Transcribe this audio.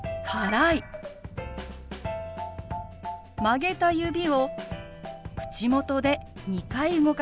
曲げた指を口元で２回動かします。